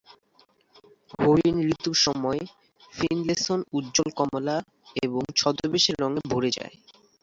হরিণ ঋতুর সময়, ফিনলেসন উজ্জ্বল কমলা এবং ছদ্মবেশের রঙে ভরে যায়।